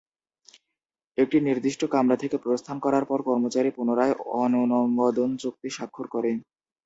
একটি নির্দিষ্ট কামরা থেকে প্রস্থান করার পর, কর্মচারী পুনরায় অননুমোদন চুক্তি স্বাক্ষর করে।